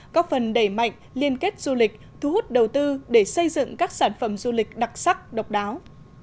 góp phần đẩy mạnh liên kết du lịch thu hút đầu tư để xây dựng các sản phẩm du lịch đặc sắc độc đáo